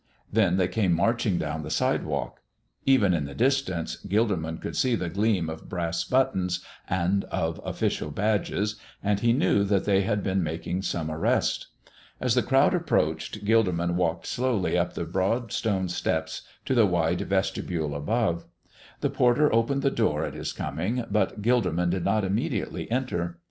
Then they came marching down the sidewalk. Even in the distance Gilderman could see the gleam of brass buttons and of official badges, and he knew that they had been making some arrest. As the crowd approached, Gilderman walked slowly up the broad stone steps to the wide vestibule above. The porter opened the door at his coming, but Gilderman did not immediately enter.